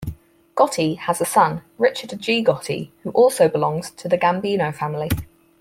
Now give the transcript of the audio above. Gotti has a son, Richard G. Gotti, who also belongs to the Gambino family.